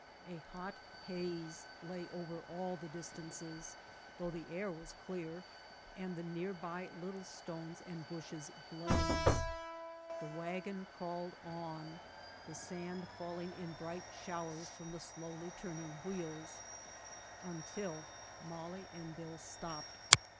A hot haze lay over all the distances, though the air was clear, and the nearby little stones and bushes blazed. The wagon crawled on, the sand falling in bright showers from the slowly turning wheels, until Molly and Bill stopped.